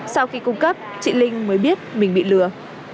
sau khi cung cấp chị linh mới biết mình bị lừa